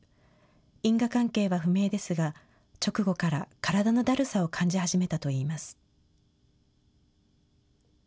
因果関係は不明ですが、直後から体のだるさを感じ始めたといいます。